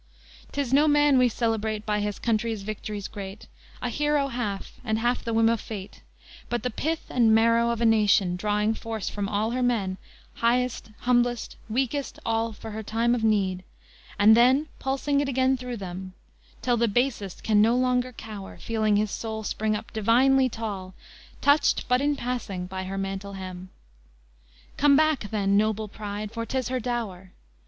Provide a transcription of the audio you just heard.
'T is no Man we celebrate, By his country's victories great, A hero half, and half the whim of Fate, But the pith and marrow of a Nation Drawing force from all her men, Highest, humblest, weakest, all, For her time of need, and then Pulsing it again through them, Till the basest can no longer cower, Feeling his soul spring up divinely tall, Touched but in passing by her mantle hem. Come back, then, noble pride, for 't is her dower!